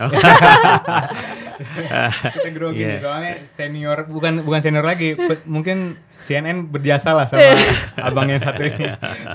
kita gerokin soalnya senior bukan senior lagi mungkin cnn berdiasa lah sama abang yang satu ini